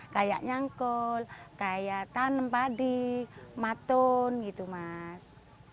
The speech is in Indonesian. kayak nyangkol kayak tanem padi maton gitu mas